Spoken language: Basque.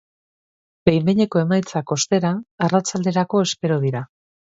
Behin-betiko emaitzak, ostera, arratsalderako espero dira.